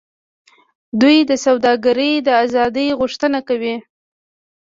دوی د سوداګرۍ د آزادۍ غوښتنه کوي